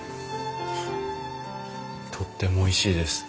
とってもおいしいです。